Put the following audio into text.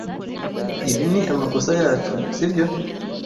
Iri ni amakosa yacu, si byo?